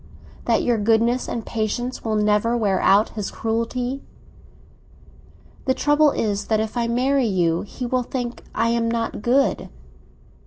—that your goodness and patience will never wear out his cruelty?" "The trouble is that if I marry you, he will think I am not good.